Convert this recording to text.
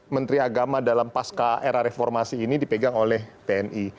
menteri agama dalam pasca era reformasi ini dipegang oleh tni